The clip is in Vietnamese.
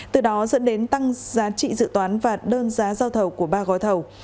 từ đó dẫn đến tăng giá trị dự toán và đơn giá giao thầu của ba gói thầu